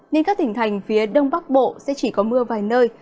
nên các tỉnh thành phía đông bắc bộ sẽ chỉ có mưa vài nơi